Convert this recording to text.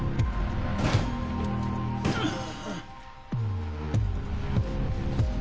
ああ。